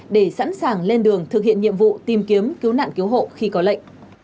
để sẵn sàng lên đường thực hiện nhiệm vụ tìm kiếm cứu nạn cứu hộ khi có lệnh